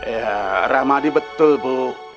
ya rahmadi betul bu